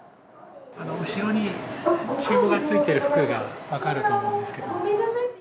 後ろにチューブがついている服が分かると思うんですけど。